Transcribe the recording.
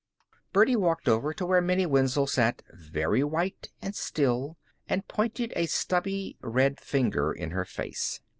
Birdie walked over to where Minnie Wenzel sat, very white and still, and pointed a stubby red finger in her face.